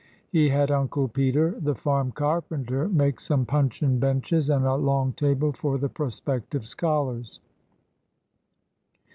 He had Uncle Peter, the farm carpenter, make some puncheon benches and a long table for the prospective scholars.